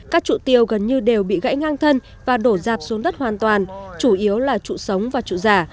các trụ tiêu gần như đều bị gãy ngang thân và đổ dạp xuống đất hoàn toàn chủ yếu là trụ sống và trụ giả